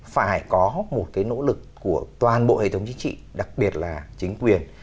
phải có một cái nỗ lực của toàn bộ hệ thống chính trị đặc biệt là chính quyền